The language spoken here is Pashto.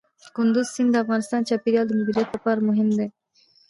کندز سیند د افغانستان د چاپیریال د مدیریت لپاره مهم دي.